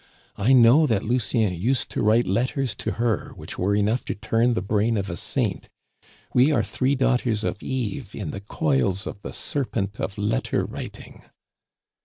I know that Lucien used to write letters to her which were enough to turn the brain of a saint. We are three daughters of Eve in the coils of the serpent of letter writing."